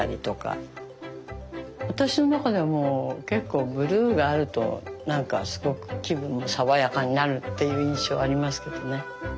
私の中では結構ブルーがあるとなんかすごく気分が爽やかになるっていう印象ありますけどね。